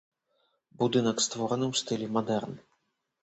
Будынак створаны ў стылі мадэрн.